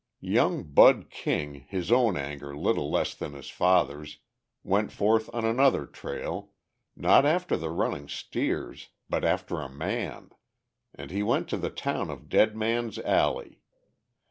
Young Bud King, his own anger little less than his father's, went forth on another trail, not after the running steers but after a man. And he went to the town of Dead Man's Alley.